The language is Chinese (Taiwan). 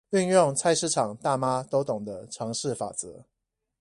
運用菜市場大媽都懂的常識法則